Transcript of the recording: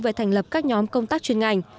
về thành lập các nhóm công tác chuyên ngành